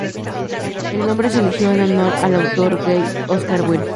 El nombre se eligió en honor al autor gay Oscar Wilde.